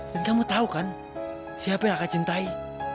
dan kamu tahu kan siapa yang aku cintai